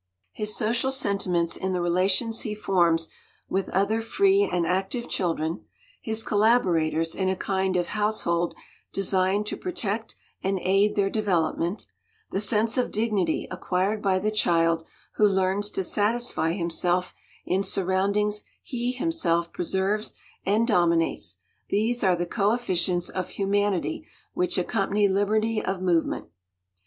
His social sentiments in the relations he forms with other free and active children, his collaborators in a kind of household designed to protect and aid their development; the sense of dignity acquired by the child who learns to satisfy himself in surroundings he himself preserves and dominates these are the co efficients of humanity which accompany "liberty of movement."